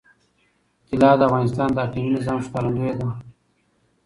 طلا د افغانستان د اقلیمي نظام ښکارندوی ده.